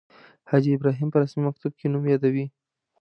حاجي ابراهیم په رسمي مکتوب کې نوم یادوي.